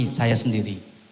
tadi saya sendiri